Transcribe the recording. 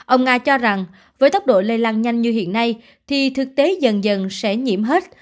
ông nga cho rằng với tốc độ lây lan nhanh như hiện nay thì thực tế dần dần sẽ nhiễm hết